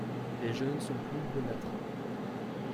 Les jeunes sont plus brunâtres.